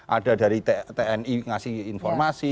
ada dari tni ngasih informasi